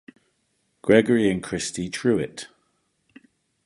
Gregory and Christie Truitt.